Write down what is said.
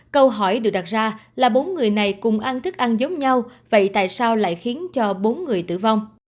câu hỏi được đặt ra là bốn người này cùng ăn thức ăn giống nhau vậy tại sao lại khiến cho bốn người tử vong